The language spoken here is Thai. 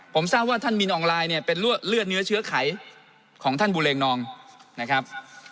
ผมทราบว่าท่านมินองลายเนี่ยเป็นเลือดเนื้อเชื้อไขของท่านบูเรงนองนะครับ